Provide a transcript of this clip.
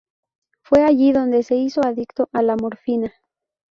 Fue allí donde se hizo adicto a la morfina.